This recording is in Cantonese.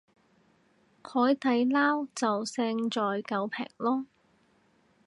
海底撈就勝在夠平囉